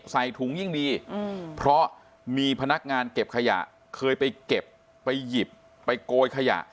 ใส่ถุงยิ่งดีเพราะมีพนักงานเก็บขยะเคยไปเก็บไปหยิบไปโกยขยะ